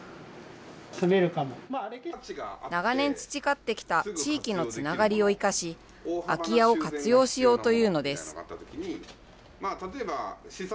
長年培ってきた地域のつながりを生かし、空き家を活用しようというのです。